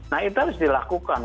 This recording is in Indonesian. nah itu harus dilakukan